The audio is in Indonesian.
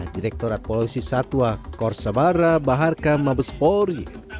direkturat polosi satwa korsebara baharka mabespori